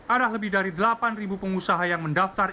ada lebih dari delapan pengusaha yang mendaftar ikut vaksin